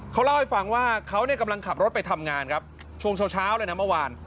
เขาเล่าให้ฟังว่าเขาเนี่ยกำลังขับรถไปทำงานครับช่วงเช้าเลยนะเมื่อวาน